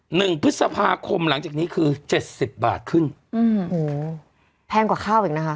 หนึ่งพฤษภาคมหลังจากนี้คือเจ็ดสิบบาทขึ้นอืมโอ้โหแพงกว่าข้าวอีกนะคะ